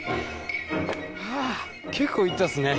はぁ結構いったっすね。